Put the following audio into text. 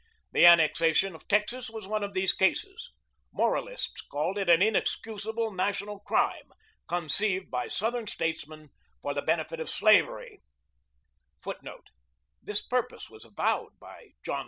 The annexation of Texas was one of these cases. Moralists called it an inexcusable national crime, conceived by Southern statesmen for the benefit of slavery, [Footnote: This purpose was avowed by John C.